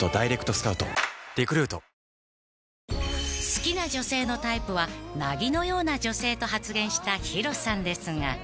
［好きな女性のタイプは凪のような女性と発言したＨｉｒｏさんですが］